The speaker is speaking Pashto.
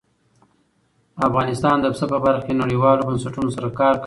افغانستان د پسه په برخه کې نړیوالو بنسټونو سره کار کوي.